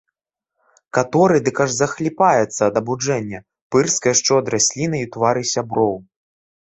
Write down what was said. Каторы дык аж захліпаецца ад абуджэння, пырскае шчодра слінай у твары сяброў.